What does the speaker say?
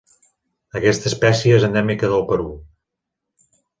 Aquesta espècie és endèmica del Perú.